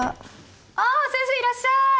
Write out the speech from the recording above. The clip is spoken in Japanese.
あ先生いらっしゃい。